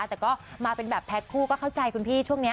แต่ก็มาเป็นแบบแพ็คคู่ก็เข้าใจคุณพี่ช่วงนี้